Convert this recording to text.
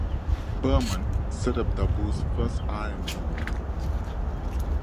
Burman, set up Dabur's first R and D unit.